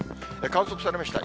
観測されました